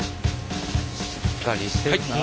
しっかりしてるな。